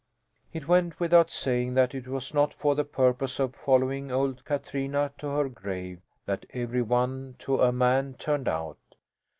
It went without saying that it was not for the purpose of following old Katrina to her grave that every one to a man turned out.